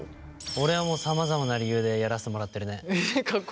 俺はさまざまな理由でやらせてもらってるね。